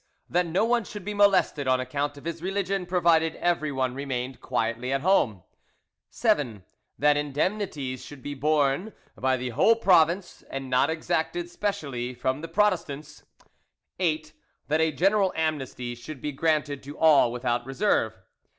That no one should be molested on account of his religion provided everyone remained quietly at home. 7. That indemnities should be borne by the whole province, and not exacted specially from the Protestants. 8. That a general amnesty should be granted to all without reserve.